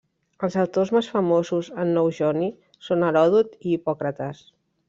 Els autors més famosos en nou joni són Heròdot i Hipòcrates.